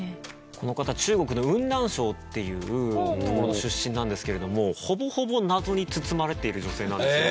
この方中国の雲南省っていう所の出身なんですけれどもほぼほぼ謎に包まれている女性なんですよね。